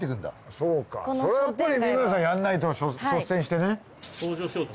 そうかそりゃやっぱり三村さんやんないと率先してね。